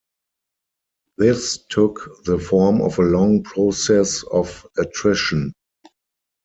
This took the form of a long process of attrition.